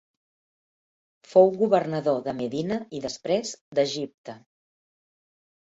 Fou governador de Medina i després d'Egipte.